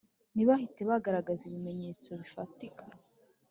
ntibahite bagaragaza ibimenyetso bifatika